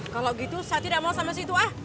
kalau gitu saya tidak mau sama situ ah